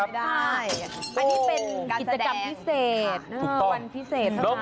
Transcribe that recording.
อันนี้เป็นกิจกรรมพิเศษวันพิเศษ